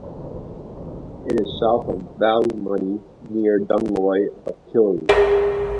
It is south of Ballymoney, near Dunloy and Kilrea.